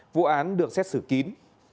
vụ án được xét xử kín